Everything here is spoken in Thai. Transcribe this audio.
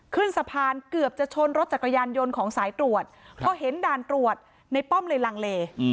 ขึ้นสะพานเกือบจะชนรถจักรยานยนต์ของสายตรวจพอเห็นด่านตรวจในป้อมเลยลังเล